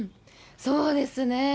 そうですね。